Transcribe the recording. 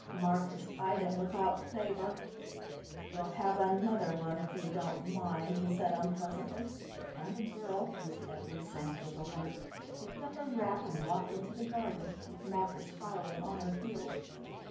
Marcus eyed him without favour. "We'll have another one, if you don't mind," he said unpleasantly, and the girl, whose every sense was alert, picked up a wrap and walked into the garden, with Marcus following on her heels.